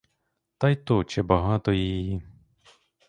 Та й то чи багато її!